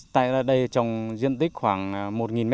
tại đây trong diện tích khoảng một m hai